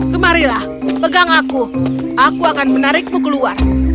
kemarilah pegang aku aku akan menarikmu keluar